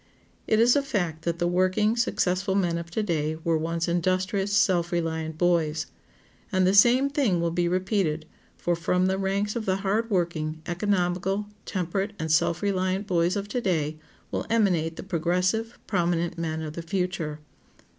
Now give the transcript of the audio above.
It is a fact that the working, successful men of to day were once industrious, self reliant boys. And the same thing will be repeated, for from the ranks of the hard working, economical, temperate, and self reliant boys of to day will emanate the progressive, prominent men of the future.